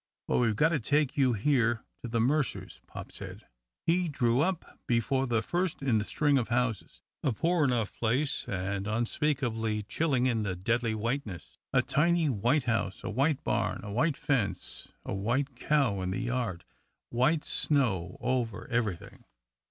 "But we've got to take you here to the Mercers', pop said." He drew up before the first in the string of houses, a poor enough place, and unspeakably chilling in its deathly whiteness. A tiny white house, a white barn, a white fence, a white cow in the yard, white snow over everything.